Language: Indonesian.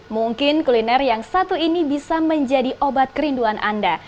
mungkin kuliner yang satu ini bisa menjadi obat kerinduan anda